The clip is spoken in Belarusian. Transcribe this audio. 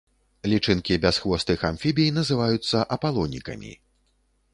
Лічынкі бясхвостых амфібій называюцца апалонікамі.